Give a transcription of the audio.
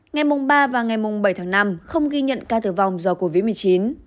ngày mùng ba và ngày mùng bảy tháng năm không ghi nhận ca tử vong do covid một mươi chín